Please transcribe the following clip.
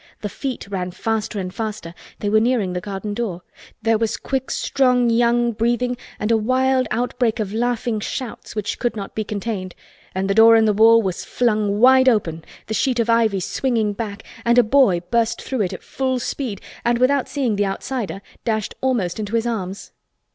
The feet ran faster and faster—they were nearing the garden door—there was quick strong young breathing and a wild outbreak of laughing shouts which could not be contained—and the door in the wall was flung wide open, the sheet of ivy swinging back, and a boy burst through it at full speed and, without seeing the outsider, dashed almost into his arms.